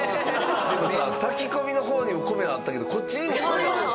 でもさ炊き込みの方にも米あったけどこっちにも米ある。